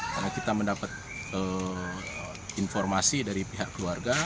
karena kita mendapat informasi dari pihak keluarga